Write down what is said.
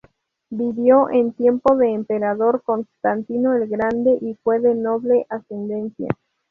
Vivió en tiempo del emperador Constantino el Grande y fue de noble ascendencia.